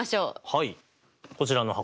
はい。